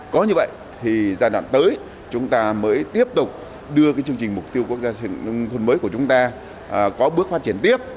có như vậy thì giai đoạn tới chúng ta mới tiếp tục đưa chương trình mục tiêu quốc gia thôn mới của chúng ta có bước phát triển tiếp